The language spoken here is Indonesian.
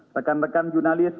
pekan pekan jurnalis dan pemerintah